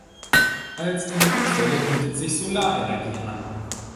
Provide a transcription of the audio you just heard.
Als Energiequelle bietet sich die Solarenergie an.